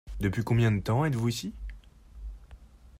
Depuis combien de temps êtes-vous ici ?